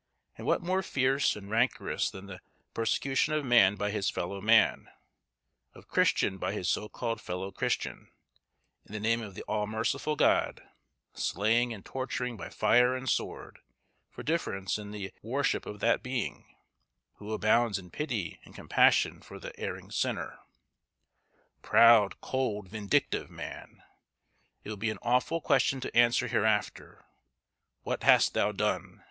And what more fierce and rancorous than the persecution of man by his fellow man, of Christian by his so called fellow Christian, in the name of the All merciful God; slaying and torturing by fire and sword, for difference in the worship of that Being, who abounds in pity and compassion for the erring sinner! Proud, cold, vindictive man! it will be an awful question to answer hereafter, "What hast thou done?